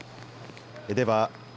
では